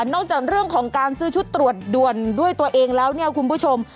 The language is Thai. จากเรื่องของการซื้อชุดตรวจด่วนด้วยตัวเองแล้วเนี่ยคุณผู้ชม